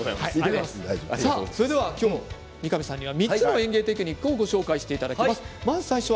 三上さんには３つの園芸テクニックをご紹介していただきます。